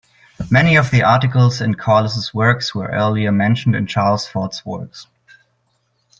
Many of the articles in Corliss's works were earlier mentioned in Charles Fort's works.